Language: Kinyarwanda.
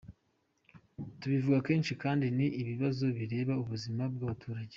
Tubivuga kenshi kandi ni ibibazo bireba ubuzima bw’ abaturage.